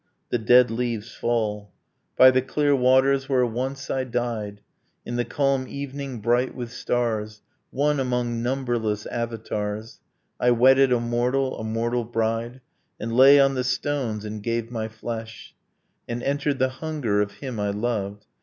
The dead leaves fall. ... 'By the clear waters where once I died, In the calm evening bright with stars, One among numberless avatars, I wedded a mortal, a mortal bride, And lay on the stones and gave my flesh, And entered the hunger of him I loved.